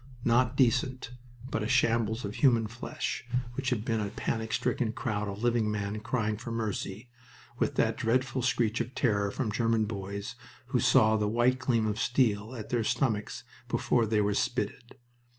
Not decent, but a shambles of human flesh which had been a panic stricken crowd of living men crying for mercy, with that dreadful screech of terror from German boys who saw the white gleam of steel at their stomachs before they were spitted.